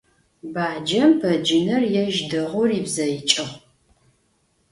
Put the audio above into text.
Bacem becıner yêj değou ribzeiç'ığ.